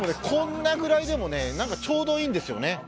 こんなぐらいでもねなんかちょうどいいんですよね